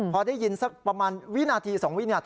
พอได้ยินสักประมาณ๒๓วินาที